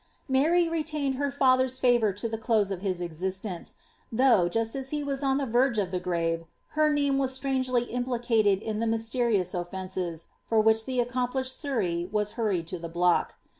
Mary retained her father's favour to the close of his existence, thoujh, m just as he was on the verge of the grave, her name was stranirely impin cated in the mysterious oticnces for which the accomplishe<l Surrey wa.< hurried to the block.